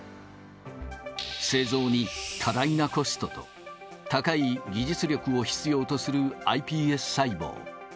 製造に多大なコストと、高い技術力を必要とするｉＰＳ細胞。